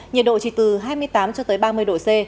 nhiệt độ chỉ từ hai mươi tám ba mươi độ c